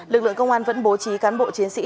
lực lượng công an vẫn bố trí cán bộ chiến sĩ